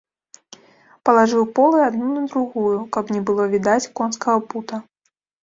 Палажыў полы адну на другую, каб не было відаць конскага пута.